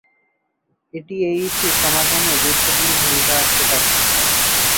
এটি এই ইস্যু সমাধানে গুরুত্বপূর্ণ ভূমিকা রাখতে পারে।